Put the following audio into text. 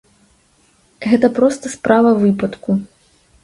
Гэта проста справа выпадку.